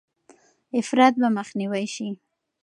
افراط به مخنیوی شي.